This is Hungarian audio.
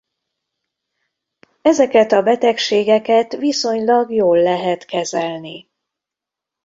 Ezeket a betegségeket viszonylag jól lehet kezelni.